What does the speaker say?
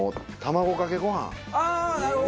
ああなるほど！